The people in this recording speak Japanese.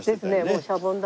もう『シャボン玉』。